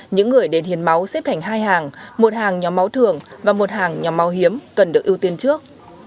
những người đến hiến máu xếp thành hai hàng một hàng nhóm máu thường và một hàng nhóm máu hiếm cần được ưu tiên trước